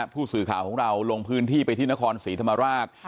ผู้สื่อข่าวของเราลงพื้นที่ไปที่นครศรีธรรมราช